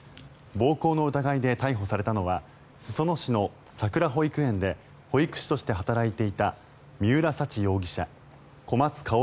暴行の疑いで逮捕されたのは裾野市のさくら保育園で保育士として働いていた三浦沙知容疑者小松香織